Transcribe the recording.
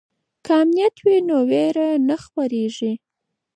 که امنیت وي نو ویره نه خپریږي.